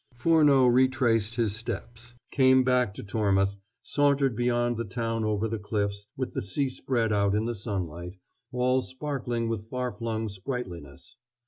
Furneaux retraced his steps, came back to Tormouth, sauntered beyond the town over the cliffs, with the sea spread out in the sunlight, all sparkling with far flung sprightliness.